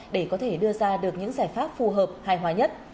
để có thể đưa ra được những giải pháp phù hợp hài hòa nhất